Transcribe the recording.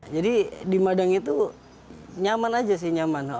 jadi di madang itu nyaman aja sih nyaman